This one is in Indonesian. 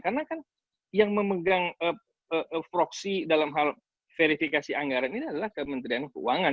karena kan yang memegang proxy dalam hal verifikasi anggaran ini adalah kementerian keuangan